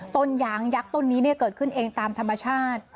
ยางยักษ์ต้นนี้เกิดขึ้นเองตามธรรมชาติ